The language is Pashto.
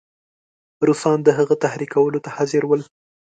روسان د هغه تحریکولو ته حاضر ول.